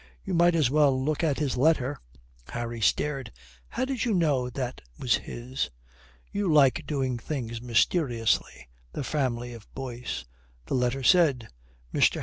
"You might as well look at his letter." Harry stared. "How did you know that was his?" "You like doing things mysteriously, the family of Boyce." The letter said this: "MR.